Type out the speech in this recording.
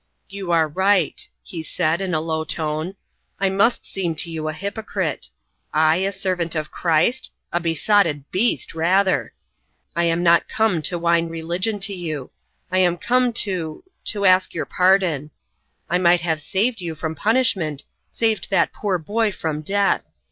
"You are right," he said, in a low tone. "I must seem to you a hypocrite. I a servant of Christ? A besotted beast rather! I am not come to whine religion to you. I am come to to ask your pardon. I might have saved you from punishment saved that poor boy from death.